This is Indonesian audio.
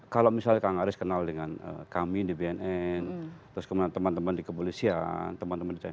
kalau misalnya kang aris kenal dengan kami di bnn terus kemana teman teman di kepolisian